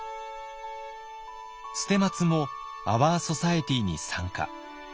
捨松もアワー・ソサエティに参加。